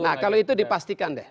nah kalau itu dipastikan deh